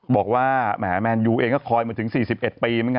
บอกว่าแหมแมนยูเองก็คอยมาถึง๔๑ปี